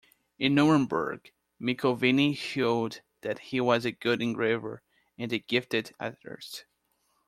In Nuremberg, Mikoviny showed that he was a good engraver and a gifted artist.